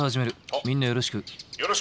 みんなよろしく。